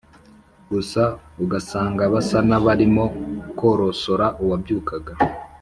gusa ugasanga basa n’abarimo korosora uwabyukaga.